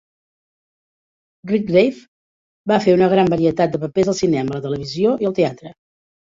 Redgrave va fer una gran varietat de papers al cinema, la televisió i el teatre.